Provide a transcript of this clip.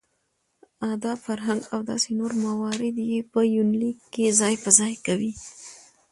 اداب ،فرهنګ او داسې نور موارد يې په يونليک کې ځاى په ځاى کوي .